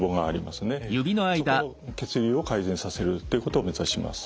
そこの血流を改善させるということを目指します。